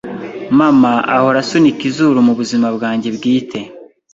Mama ahora asunika izuru mubuzima bwanjye bwite.